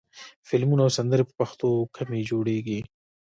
فلمونه او سندرې په پښتو کمې جوړېږي.